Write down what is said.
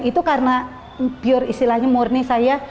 itu karena pure istilahnya murni saya